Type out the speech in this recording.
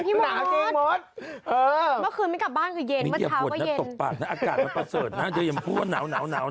ตกปากนะอากาศมาประเสริฐนะเดี๋ยวอย่าพูดว่าหนาว